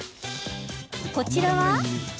こちらは。